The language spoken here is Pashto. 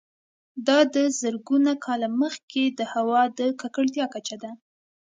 دا د زرګونه کاله مخکې د هوا د ککړتیا کچه ده